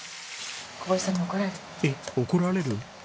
えっ怒られる？